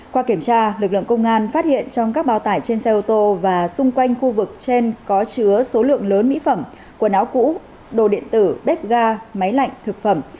qua kiểm tra lực lượng công an phát hiện trong các bao tải trên xe ô tô và xung quanh khu vực trên có chứa số lượng lớn mỹ phẩm quần áo cũ đồ điện tử bếp ga máy lạnh thực phẩm